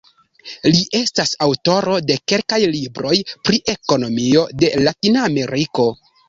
Li estas aŭtoro de kelkaj libroj pri ekonomio de Latina Ameriko.